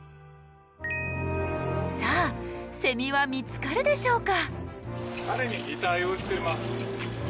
さあセミは見つかるでしょうか？